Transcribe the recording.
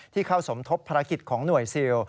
เข้าสมทบภารกิจของหน่วยซิล